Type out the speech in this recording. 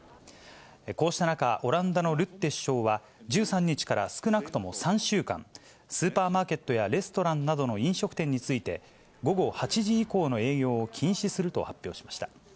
こうした中、オランダのルッテ首相は、１３日から少なくとも３週間、スーパーマーケットやレストランなどの飲食店について、午後８時以降の営業を禁止すると発表しました。